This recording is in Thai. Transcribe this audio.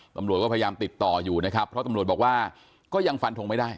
ตำรวจก็พยายามติดต่ออยู่นะครับเพราะตำรวจบอกว่าก็ยังฟันทงไม่ได้